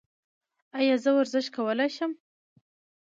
ایا زه ورزش کولی شم؟